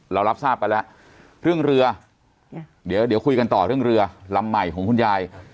เรารับทราบกันแล้วเรื่องเรือเดี๋ยวคุยกันต่อเรื่องเรือลำใหม่ของคุณยาย